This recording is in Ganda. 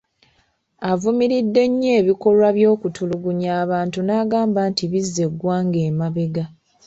Avumiridde nnyo ebikolwa by'okutulungunya abantu n'agamba nti bizza eggwanga emabega.